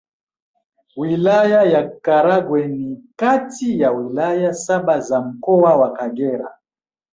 Wilaya ya Karagwe ni kati ya Wilaya saba za Mkoa wa Kagera